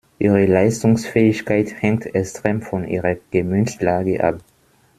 Ihre Leistungsfähigkeit hängt extrem von ihrer Gemütslage ab.